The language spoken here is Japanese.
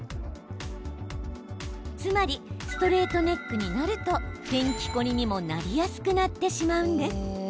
つまりストレートネックになると天気凝りにもなりやすくなってしまうんです。